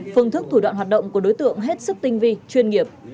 phương thức thủ đoạn hoạt động của đối tượng hết sức tinh vi chuyên nghiệp